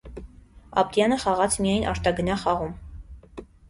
Աբդյանը խաղաց միայն արտագնա խաղում։